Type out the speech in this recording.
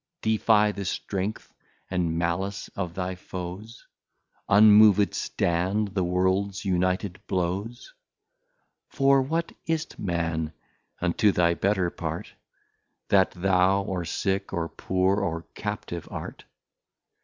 Defie the Strength and Malice of thy Foes, Unmoved stand the Worlds United Blows? For what is't, Man, unto thy Better Part, That thou or Sick, or Poor, or Captive art?